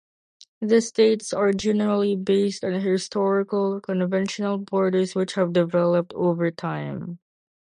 The states are generally based on historical, conventional borders which have developed over time.